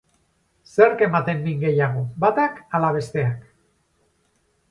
Zerk ematen min gehiago, batak ala besteak?